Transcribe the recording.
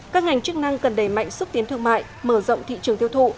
các ngành chức năng cần đẩy mạnh xúc tiến thương mại mở rộng thị trường tiêu thụ